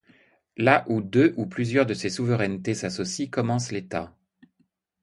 Là où deux ou plusieurs de ces souverainetés s'associent commence l'État.